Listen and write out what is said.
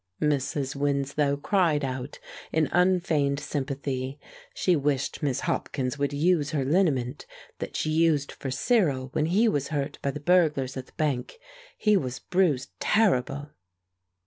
Mrs. Winslow cried out in unfeigned sympathy. She wished Miss Hopkins would use her liniment that she used for Cyril when he was hurt by the burglars at the bank; he was bruised "terrible."